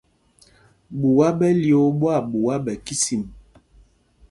Ɓuá ɓɛ lyōō ɓwâɓuá ɓɛ kísin.